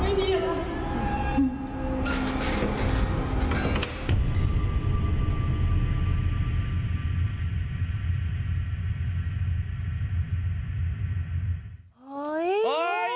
ไม่มีอะไร